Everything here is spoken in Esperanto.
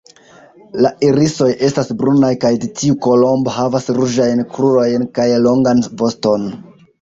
La irisoj estas brunaj kaj dtiu kolombo havas ruĝajn krurojn kaj longan voston.